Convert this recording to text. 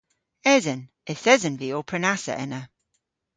Esen. Yth esen vy ow prenassa ena.